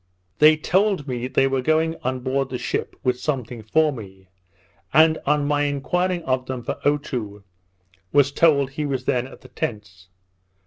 They told me they were going on board the ship with something for me; and, on my enquiring of them for Otoo, was told he was then at the tents.